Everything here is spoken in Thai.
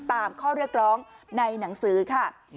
ตามข้อเรียกร้องในหนังสือค่ะ